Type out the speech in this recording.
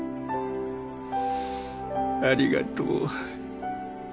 ありがとう。